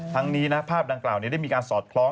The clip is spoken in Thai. ทั้งนี้ภาพดังกล่าวนี้ได้มีการสอดคล้อง